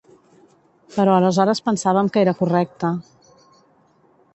Però aleshores, pensàvem que era correcte.